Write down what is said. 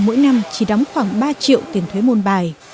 mỗi năm chỉ đóng khoảng ba triệu tiền thuế môn bài